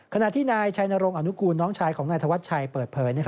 ขณะที่นายชัยนรงอนุกูลน้องชายของนายธวัชชัยเปิดเผย